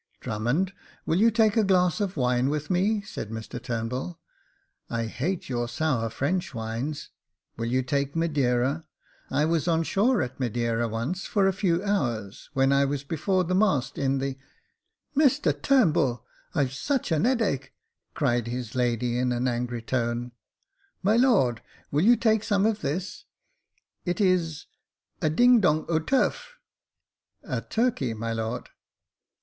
" Drummond, will you take a glass of wine with me ?" said Mr Turnbull. " I hate your sour French wines. Will you take Madeira ? I was on shore at Madeira once, for a few hours, when I was before the mast, in the "" Mr Turnbull, I've such an 'eadache," cried his lady, in an angry tone. " My lord, will you take some of this ?— it is — a ding dong o' turf— 2. turkey, my lord."